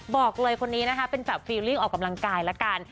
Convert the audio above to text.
บอกเลยคนนี้นะคะเป็นแบบฟิลลิ่งออกกำลังกายละกัน